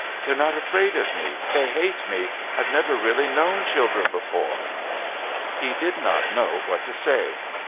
They're not afraid of me they hate me. I've never really known children before " He did not know what to say.